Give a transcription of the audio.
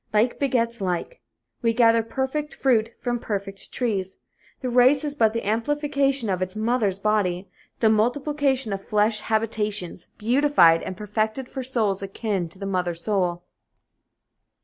Like begets like. We gather perfect fruit from perfect trees. The race is but the amplification of its mother body, the multiplication of flesh habitations beautified and perfected for souls akin to the mother soul.